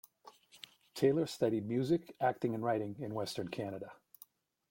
Taylor studied music, acting and writing in western Canada.